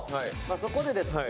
そこでですね